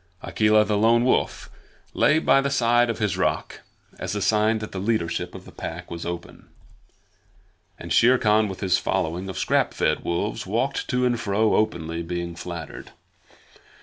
Akela the Lone Wolf lay by the side of his rock as a sign that the leadership of the Pack was open, and Shere Khan with his following of scrap fed wolves walked to and fro openly being flattered.